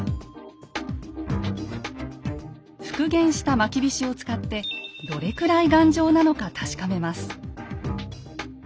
復元したまきびしを使ってどれくらい頑丈なのか確かめます。